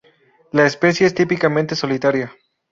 La especie es típicamente solitaria.